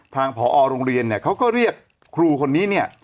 ผอโรงเรียนเนี่ยเขาก็เรียกครูคนนี้เนี่ย